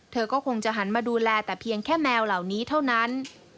เธอก็คงจะหันมาดูแลแต่เพียงแค่แมวเหล่านี้เท่านั้น